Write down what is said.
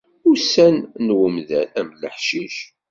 Ussan n umdan am leḥcic.